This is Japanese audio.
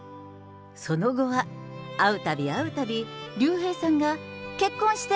その後は、会うたび会うたび、竜兵さんが結婚して！